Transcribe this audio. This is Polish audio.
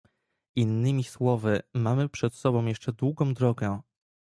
Innymi słowy, mamy przed sobą jeszcze długą drogę